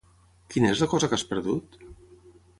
Quina és la cosa que has perdut?